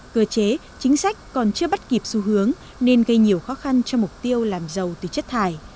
cơ chế chính sách còn chưa bắt kịp xu hướng nên gây nhiều khó khăn cho mục tiêu làm giàu từ chất thải